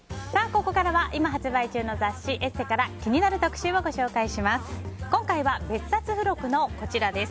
ここからは今発売中の雑誌「ＥＳＳＥ」から気になる特集をご紹介します。